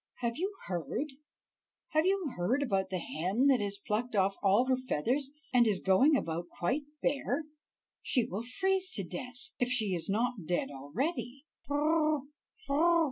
"Have you heard—have you heard about the hen that has plucked off all her feathers, and is going about quite bare? She will freeze to death, if she is not dead already." "Ooo! Ooo!"